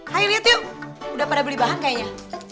hayo liat yuk udah pada beli bahan kayaknya